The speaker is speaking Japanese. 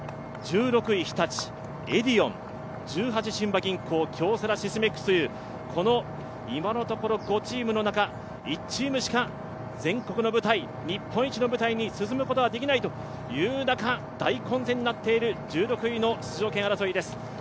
１６位日立、エディオン、十八親和銀行、京セラ、シスメックス、この今のところ５チームの中１チームしか全国の舞台、日本一の舞台に進むことができないという中大混戦になっている１６位の出場権争いです。